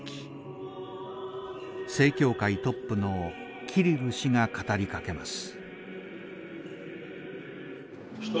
正教会トップのキリル氏が語りかけます。